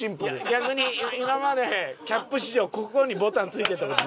逆に今までキャップ史上ここにボタンついてた事ないやろ？